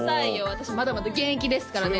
私まだまだ現役ですからね